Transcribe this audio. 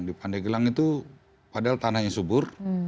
di pandeglang itu padahal tanahnya subur